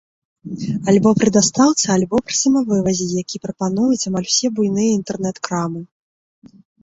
Альбо пры дастаўцы, альбо пры самавывазе, які прапануюць амаль усе буйныя інтэрнэт-крамы.